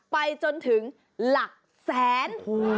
ไปจนถึงหลักแสน